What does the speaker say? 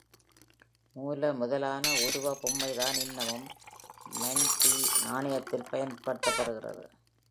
மூலமுதலான உருவ பொம்மைதான் இன்னமும் Maundy நாணயத்தில் பயன்படுத்தப் படுகிறது.